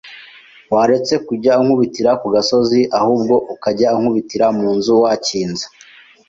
waretse kujya unkubitira ku gasozi ahubwo ukajya unkubitira mu nzu wakinze